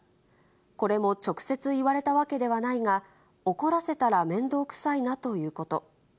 これも直接言われたわけではないが、怒らせたら面倒くさいなということ。